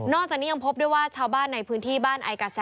นอกจากนี้ยังพบว่าชาวบ้านในพื้นที่บ้านไอ